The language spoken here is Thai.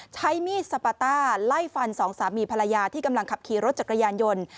ใช้มีดสปาต้าไล่ฟันสองสามีภรรยาที่กำลังขับขี่รถจักรยานยนต์